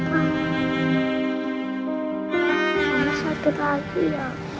kamu sakit lagi ya